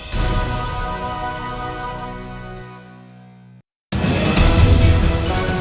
ku berharap engkau mengerti